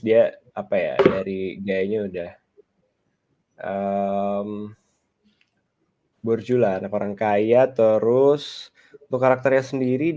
dia apa ya dari gayanya udah hai em borjula anak orang kaya terus berkarakternya sendiri